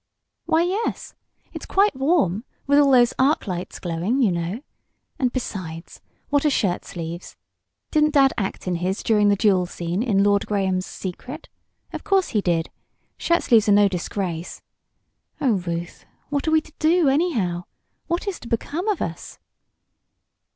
"Why, yes. It's quite warm, with all those arc lights glowing, you know. And besides, what are shirt sleeves? Didn't dad act in his during the duel scene in "Lord Graham's Secret?" Of course he did! Shirt sleeves are no disgrace. Oh, Ruth, what are we to do, anyhow? What is to become of us?"